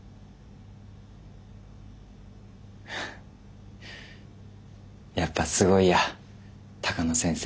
フッやっぱすごいや鷹野先生。